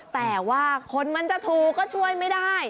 แต่ว่าคนมันจะถูกก็ช่วยไม่ได้